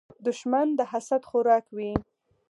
دښمن د حسد خوراک وي